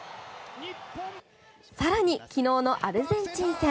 更に、昨日のアルゼンチン戦。